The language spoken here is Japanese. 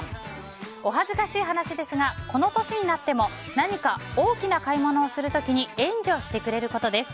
お恥ずかしい話ですがこの年になっても何か大きな買い物をする時に援助してくれることです。